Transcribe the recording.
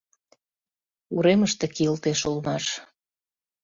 Уремыште кийылтеш улмаш.